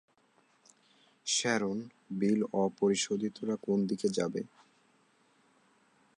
Sharon, Bill অ-পরিশোধিতরা কোন দিকে যাবে।